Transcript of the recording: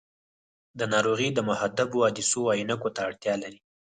دا ناروغي د محدبو عدسیو عینکو ته اړتیا لري.